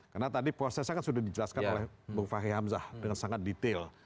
karena tadi prosesnya sudah dijelaskan oleh bang fahri hamzah dengan sangat detail